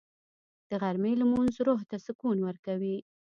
د غرمې لمونځ روح ته سکون ورکوي